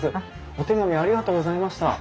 お手紙ありがとうございました。